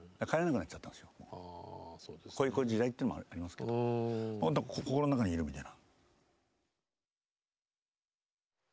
こういう時代というのもありますけど心の中にいるみたいな。